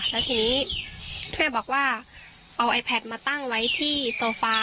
แล้วทีนี้แม่บอกว่าเอาไอแพทมาตั้งไว้ที่โซฟา